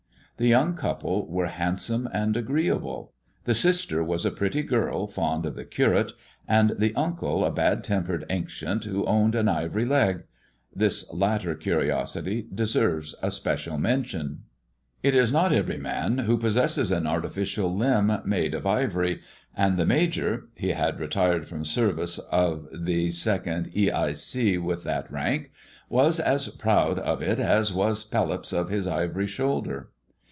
. The aung couple were handsome and agreeable, the sister was " Binco Aladdin looted the Cave of the Lamp." jretty girl fond of the Curate, and the uncle a bad ipered ancient who owned an ivory leg. This latter iosity deserves special mention. t is not every man who possesses an artificial limb made 340 THE IVORY LEG AND TUE DIAMONDS of ivory, and the Major (he had retired from service of the II. E. I.e. with that rank) was as proud of it as was Pelops of his ivory shoulder.